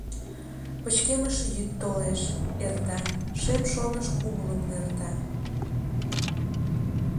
Пычкемыш йӱд толеш, эрта, Шем шоныш кумылым нӧрта.